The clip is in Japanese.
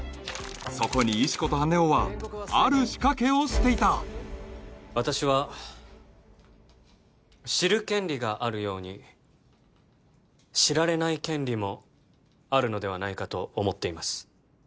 そこに石子と羽男はある仕掛けをしていた私は知る権利があるように知られない権利もあるのではないかと思っています